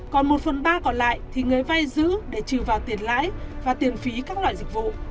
còn một phần ba còn lại thì người vay giữ để trừ vào tiền lãi và tiền phí các loại dịch vụ